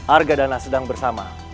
argadana sedang bersama